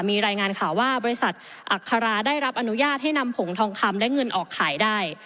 มีรายงานข่าวว่าบริษัทอัคราได้รับอนุญาตให้นำผงทองคำและเงินออกขายได้